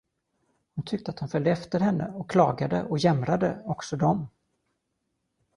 Hon tyckte, att de följde efter henne och klagade och jämrade, också de.